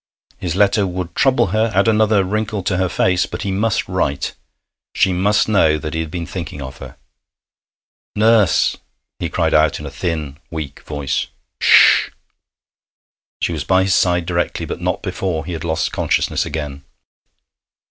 His letter would trouble her, add another wrinkle to her face, but he must write; she must know that he had been thinking of her. 'Nurse!' he cried out, in a thin, weak voice. 'Ssh!' She was by his side directly, but not before he had lost consciousness again.